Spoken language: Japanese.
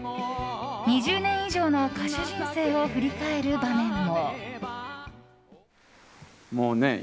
２０年以上の歌手人生を振り返る場面も。